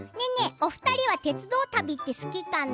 お二人は鉄道旅って好きかな？